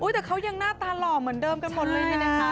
แต่เขายังหน้าตาหล่อเหมือนเดิมกันหมดเลยนี่นะคะ